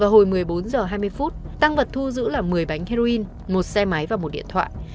hồi một mươi bốn h hai mươi phút tăng vật thu giữ là một mươi bánh heroin một xe máy và một điện thoại